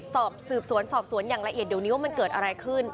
สืบสวนสอบสวนอย่างละเอียดเดี๋ยวนี้ว่ามันเกิดอะไรขึ้น